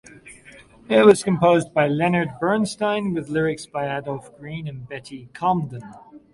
It was composed by Leonard Bernstein with lyrics by Adolph Green and Betty Comden.